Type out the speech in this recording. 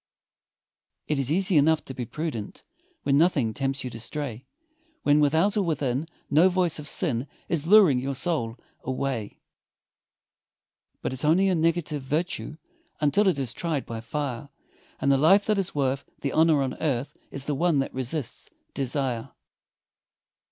It is easy enough to be prudent, When nothing tempts you to stray, When without or within no voice of sin Is luring your soul away; But it's only a negative virtue Until it is tried by fire, And the life that is worth the honor on earth, Is the one that resists desire.